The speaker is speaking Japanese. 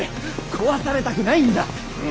壊されたくないんだ。